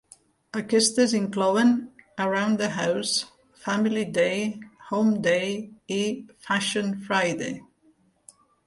Aquestes inclouen "Around the House", "Family Day", "Home Day", i "Fashion Friday".